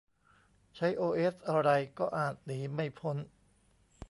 ใช้โอเอสอะไร ก็อาจหนีไม่พ้น